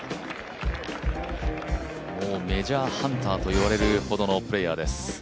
もうメジャーハンターといわれるほどのプレーヤーです。